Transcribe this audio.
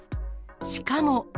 しかも。